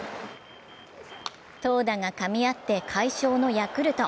投打がかみ合って快勝のヤクルト。